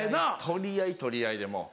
取り合い取り合いでもう。